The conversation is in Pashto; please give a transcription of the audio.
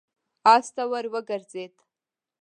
آس ته ور وګرځېد.